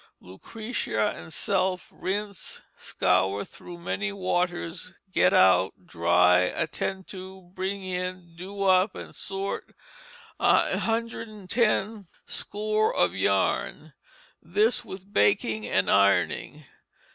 Lucretia and self rinse, scour through many waters, get out, dry, attend to, bring in, do up and sort 110 score of yarn; this with baking and ironing.